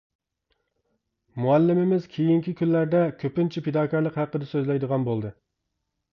مۇئەللىمىمىز كېيىنكى كۈنلەردە كۆپىنچە پىداكارلىق ھەققىدە سۆزلەيدىغان بولدى.